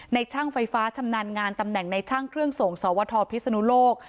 ช่างไฟฟ้าชำนาญงานตำแหน่งในช่างเครื่องส่งสวทพิศนุโลก